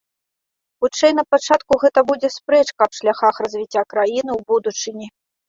Хутчэй, напачатку гэта будзе спрэчка аб шляхах развіцця краіны ў будучыні.